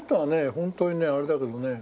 ホントにねあれだけどね。